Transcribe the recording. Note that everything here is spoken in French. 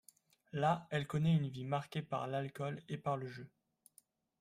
Là, elle connait une vie marquée par l'alcool et par le jeu.